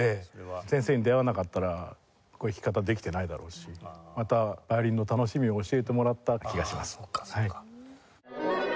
先生に出会わなかったらこういう弾き方できてないだろうしまたヴァイオリンの楽しみを教えてもらった気がします。